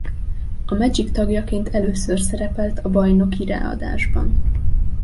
A Magic tagjaként először szerepelt a bajnoki ráadásban.